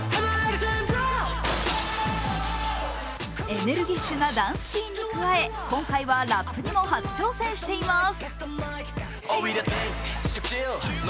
エネルギッシュなダンスシーンに加え、今回はラップにも初挑戦しています。